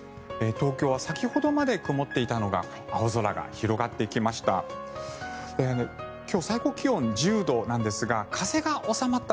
東京は先ほどまで曇っていたのが青空が広がってきました。